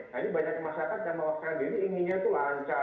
nah ini banyak masyarakat yang mau laksanakan ini inginnya itu lancar